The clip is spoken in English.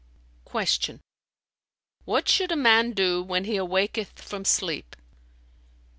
'" Q "What should a man do when he awaketh from sleep?"